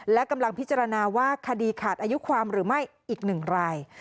และกำลังพิจารณาว่าคดีขาดอายุความหรือไม่อีก๑ราย